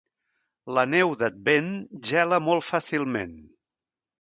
La neu d'Advent gela molt fàcilment.